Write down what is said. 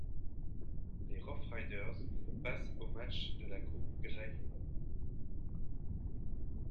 Les Rough Riders passent au match de la coupe Grey.